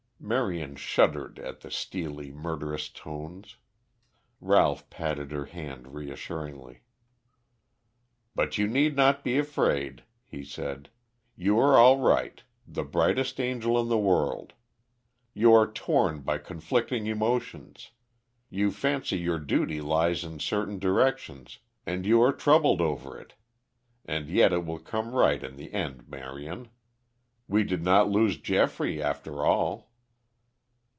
Marion shuddered at the steely, murderous tones. Ralph patted her hand reassuringly. "But you need not be afraid," he said. "You are all right the brightest angel in the world. You are torn by conflicting emotions; you fancy your duty lies in certain directions, and you are troubled over it. And yet it will come right in the end, Marion. We did not lose Geoffrey after all."